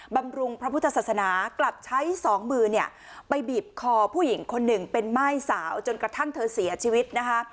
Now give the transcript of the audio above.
บำรุงพระพุทธศาสนากลับใช้สองมือเนี่ยไปบีบคอผู้หญิงคนหนึ่งเป็นม่ายสาวจนกระทั่งเธอเสียชีวิตนะคะ